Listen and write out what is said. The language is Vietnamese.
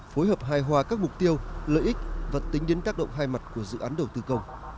phối hợp hài hòa các mục tiêu lợi ích và tính đến tác động hai mặt của dự án đầu tư công